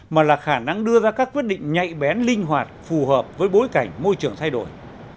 mà là khả năng đưa ra các quyết định nhạy bén linh hoạt phù hợp với bối cảnh môi trường thay đổi